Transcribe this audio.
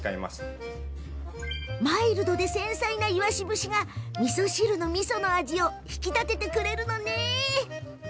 マイルドで繊細なイワシ節がみそ汁のみその味を引き立ててくれるのね。